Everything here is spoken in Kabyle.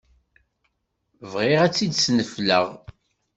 Bɣiɣ ad tt-id-snefleɣ.